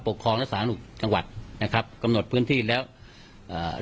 ครองและสาธารณสุขจังหวัดนะครับกำหนดพื้นที่แล้วอ่า